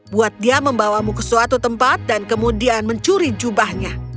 buat dia membawamu ke suatu tempat dan kemudian mencuri jubahnya